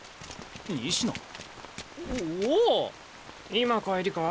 今帰りか？